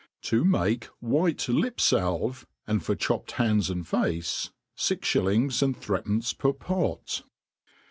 To make JVhite Ltp Salve ^ and for chopped Han^ds and Face. ^ She Shillings and Three pence per Pot.